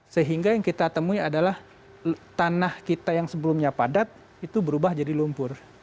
sehingga yang kita temui adalah tanah kita yang sebelumnya padat itu berubah jadi lumpur